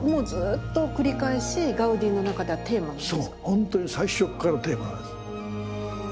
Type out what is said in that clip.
ほんとに最初っからのテーマなんです。